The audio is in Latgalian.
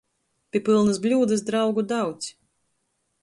Pi pylnys bļūdys draugu daudz.